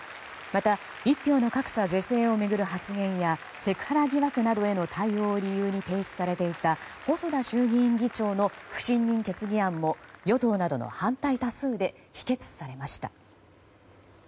また一票の格差是正を巡る発言やセクハラ疑惑などへの対応を理由に停止されていた細田衆議院議長の不信任決議案も与党などの反対多数で否決されました。